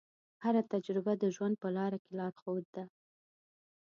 هره تجربه د ژوند په لاره کې لارښود ده.